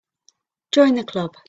Join the Club.